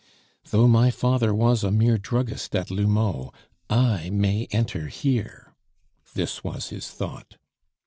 "Though my father was a mere druggist at l'Houmeau, I may enter here!" This was his thought.